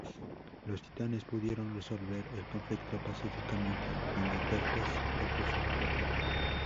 Los Titanes pudieron resolver el conflicto pacíficamente cuando Tempest propuso un tratado.